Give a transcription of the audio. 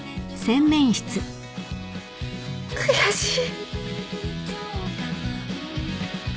悔しい。